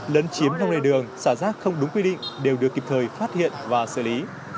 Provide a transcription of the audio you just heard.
lấn chiếm lòng lề đường xả rác không đúng quy định đều được kịp thời phát hiện và xử lý